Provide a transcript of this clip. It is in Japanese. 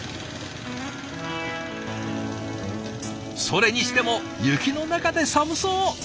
それにしても雪の中で寒そう！